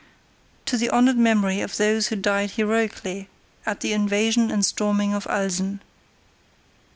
"To the honoured memory of those who died heroically at the invasion and storming of Alsen."